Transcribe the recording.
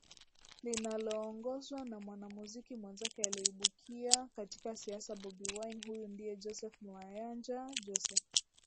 linaloongozwa na mwanamuziki mwenzake aliyeibukia katika siasa Bobi Wine Huyu ndiye Joseph Mayanja Jose